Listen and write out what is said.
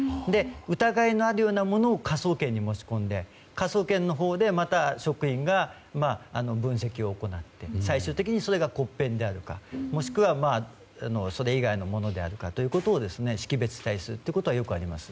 疑いのあるようなものを科捜研に持ち込んで科捜研のほうで職員が分析を行って最終的にそれが骨片であるかもしくは、それ以外のものであるかということを識別したりするということはよくあります。